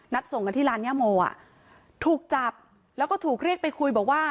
ส่งกันที่ร้านย่าโมอ่ะถูกจับแล้วก็ถูกเรียกไปคุยบอกว่า